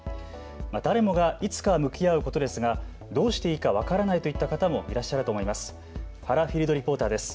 誰もがいつかは向き合うことですがどうしていいか分からないといった方もいらっしゃると思います。